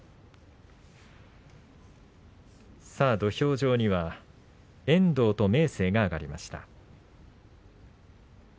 土俵上には遠藤と明生が上がりました。